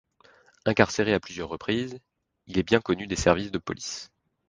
Incarcéré à plusieurs reprises, il est bien connu des services de police.